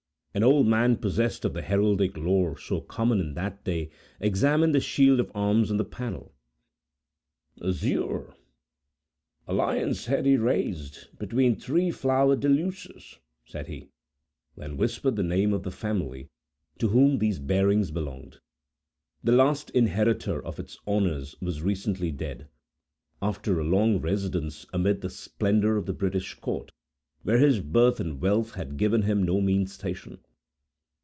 An old man possessed of the heraldic lore so common in that day examined the shield of arms on the panel. "Azure, a lion's head erased, between three flower deluces," said he; then whispered the name of the family to whom these bearings belonged. The last inheritor of its honors was recently dead, after a long residence amid the splendor of the British court, where his birth and wealth had given him no mean station.